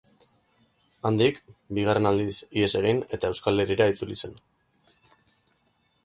Handik, bigarren aldiz ihes egin eta Euskal Herrira itzuli zen.